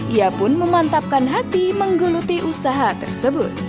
ia pun memantapkan hati menggeluti usaha tersebut